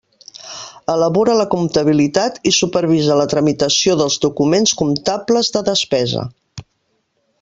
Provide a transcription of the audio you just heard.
Elabora la comptabilitat i supervisa la tramitació dels documents comptables de despesa.